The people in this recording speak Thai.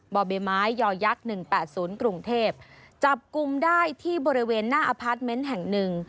บ่อเบเม้ายอร์ยักษ์หนึ่งแปดศูนย์กรุงเทพฯจับกลุ่มได้ที่บริเวณหน้าอพาร์ตเมนต์แห่งหนึ่ง